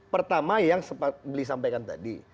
pertama yang beli sampaikan tadi